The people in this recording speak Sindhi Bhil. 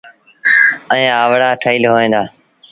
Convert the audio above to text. ائيٚݩ اَوآڙآ ٺهيٚل هوئيݩ دآ۔